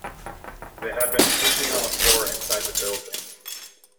They had been sleeping on the floor inside the building.